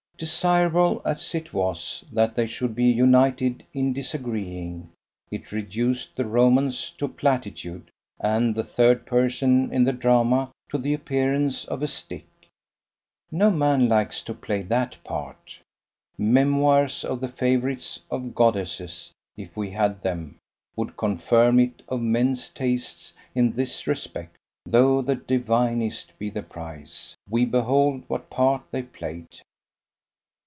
Desirable as it was that they should be united in disagreeing, it reduced the romance to platitude, and the third person in the drama to the appearance of a stick. No man likes to play that part. Memoirs of the favourites of Goddesses, if we had them, would confirm it of men's tastes in this respect, though the divinest be the prize. We behold what part they played.